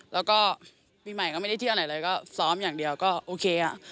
แล้วก็ปีใหม่ก็ไม่ได้เที่ยวไหนเลยก็ซ้อมอย่างเดียวก็โอเคอ่ะ